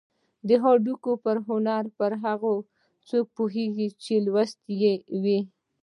د هوګو پر هنر به هغه څوک پوهېږي چې لوستی يې وي.